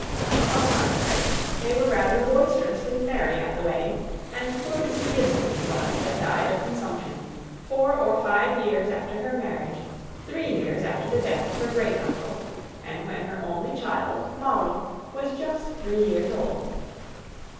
On the contrary, they were rather boisterously merry at the wedding, and poor Mrs. Gibson it was that died of consumption, four or five years after her marriage three years after the death of her great uncle, and when her only child, Molly, was just three years old.